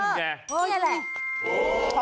นี่แหละ